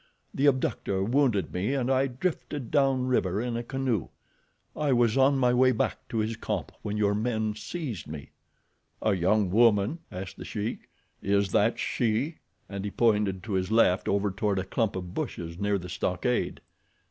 The abductor wounded me and I drifted down river in a canoe—I was on my way back to his camp when your men seized me." "A young woman?" asked The Sheik. "Is that she?" and he pointed to his left over toward a clump of bushes near the stockade.